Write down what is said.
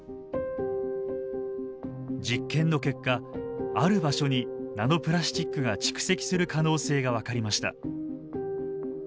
実験の結果ある場所にナノプラスチックが蓄積する可能性が分かりました。